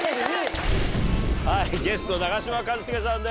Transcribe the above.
はいゲスト長嶋一茂さんです。